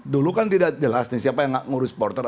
dulu kan tidak jelas siapa yang mengurus supporter